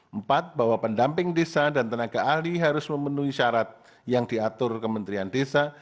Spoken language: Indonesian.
empat bahwa pendamping desa dan tenaga ahli harus memenuhi syarat yang diatur kementerian desa